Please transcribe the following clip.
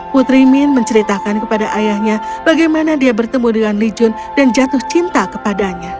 putri min menceritakan kepada ayahnya bagaimana dia bertemu dengan li jun dan jatuh cinta kepadanya